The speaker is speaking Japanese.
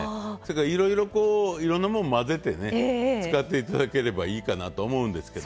いろいろこういろんなもん混ぜてね使って頂ければいいかなと思うんですけど。